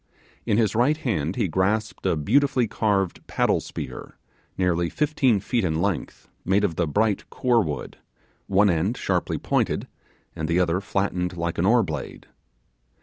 In his right hand he grasped a beautifully carved paddle spear, nearly fifteen feet in length, made of the bright koar wood, one end sharply pointed, and the other flattened like an oar blade.